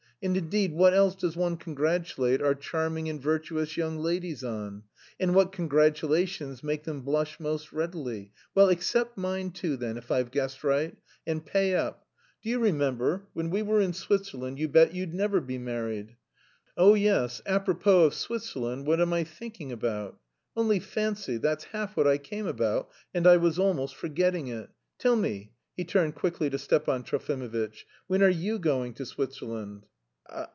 And indeed, what else does one congratulate our charming and virtuous young ladies on? And what congratulations make them blush most readily? Well, accept mine too, then, if I've guessed right! And pay up. Do you remember when we were in Switzerland you bet you'd never be married.... Oh, yes, apropos of Switzerland what am I thinking about? Only fancy, that's half what I came about, and I was almost forgetting it. Tell me," he turned quickly to Stepan Trofimovitch, "when are you going to Switzerland?"